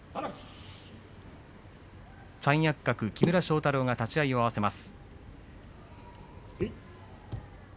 三役格木村庄太郎が立ち合いを合わせます。